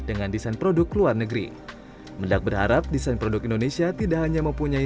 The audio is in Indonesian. dengan desain produk luar negeri mendak berharap desain produk indonesia tidak hanya mempunyai